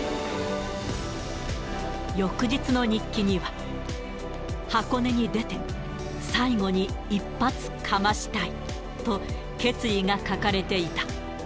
翌日の日記には、箱根に出て、最後に一発かましたいと、決意が書かれていた。